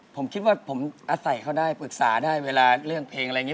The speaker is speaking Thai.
ผมคิดว่าผมอาศัยเขาได้ปรึกษาได้เวลาเรื่องเพลงอะไรอย่างนี้